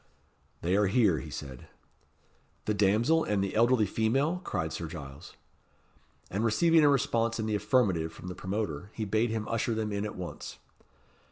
"They are here," he said. "The damsel and the elderly female?" cried Sir Giles. And receiving a response in the affirmative from the promoter, he bade him usher them in at once.